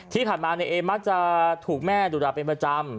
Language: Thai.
ที่ผ่านมานายเอมักจะถูกแม่ดุดาเป็นประจำ